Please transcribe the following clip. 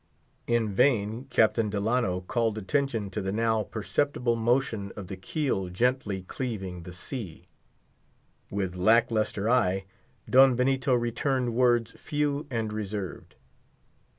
In vain Captain Delano called attention to the now perceptible motion of the keel gently cleaving the sea; with lack lustre eye, Don Benito returned words few and reserved.